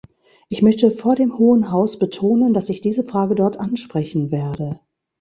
Ich möchte vor dem Hohen Haus betonen, dass ich diese Frage dort ansprechen werde.